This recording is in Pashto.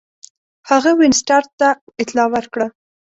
هغه وینسیټارټ ته اطلاع ورکړه.